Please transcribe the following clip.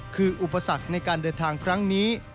คืออุปสรรคในการเดินทางครั้งนี้